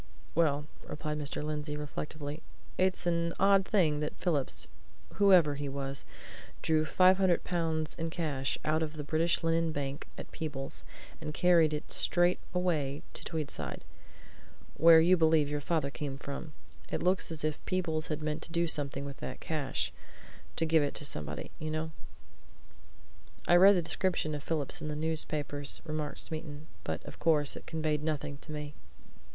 "Well," replied Mr. Lindsey, reflectively, "it's an odd thing that Phillips, whoever he was, drew five hundred pounds in cash out of the British Linen Bank at Peebles, and carried it straight away to Tweedside where you believe your father came from. It looks as if Phillips had meant to do something with that cash to give it to somebody, you know." "I read the description of Phillips in the newspapers," remarked Smeaton. "But, of course, it conveyed nothing to me."